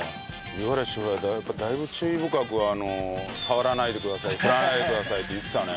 五十嵐シェフはだいぶ注意深く触らないでください振らないでくださいって言ってたね。